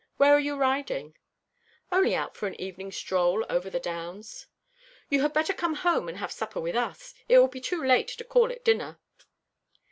Where are you riding?" "Only for an evening stroll over the downs." "You had better come home and have supper with us. It will be too late to call it dinner."